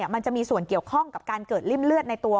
มันจะมีส่วนเกี่ยวข้องกับการเกิดริ่มเลือดในตัว